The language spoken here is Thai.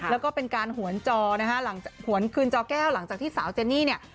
และก็เป็นการหวนจอหวนขึ้นจอแก้วหลังจากที่สาวเจนนี่เนี่ย